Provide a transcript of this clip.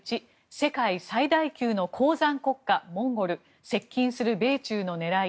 世界最大級の鉱山国家モンゴル接近する米中の狙い。